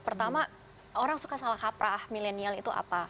pertama orang suka salah kaprah milenial itu apa